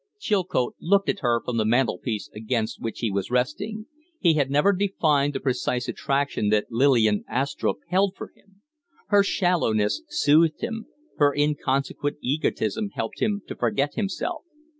Chilcote looked at her from the mantel piece, against which he was resting. He had never defined the precise attraction that Lillian Astrupp held for him. Her shallowness soothed him; her inconsequent egotism helped him to forget himself.